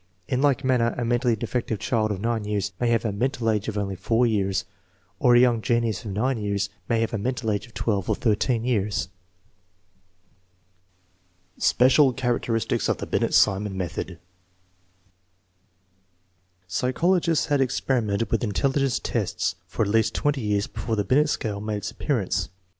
In like manner, a menially defective child of years may have a, " menial age " of only 4 years, or a young genius of J) years may have a mental age of 12 or IJJ yeans. Special characteristics of the Binet Sixnon method. Psychologists had experimented \vilh intelligence tests for at least twenty years before the Hinet scale made its ap pearance.